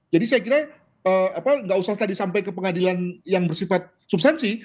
jadi saya kira apa nggak usah tadi sampai ke pengadilan yang bersifat subsansi